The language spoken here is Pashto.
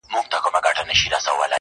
• په افغان وطن کي شان د جنتو دی..